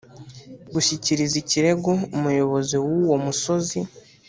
gushyikiriza ikirego umuyobozi w’uwo musozi.